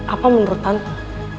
apa menurut tante